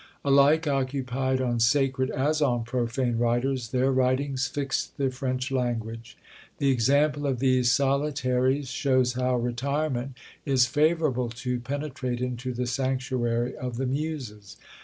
Alike occupied on sacred, as on profane writers, their writings fixed the French language. The example of these solitaries shows how retirement is favourable to penetrate into the sanctuary of the Muses.